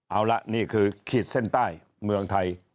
เอาละนี่คือขีดเส้นใต้เมืองไทย